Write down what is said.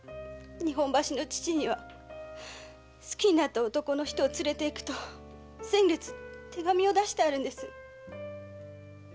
日本橋の父には「好きになった男の人を連れていく」と先月手紙を出してあるんです。